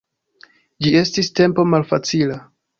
Ĝi estis tempo malfacila.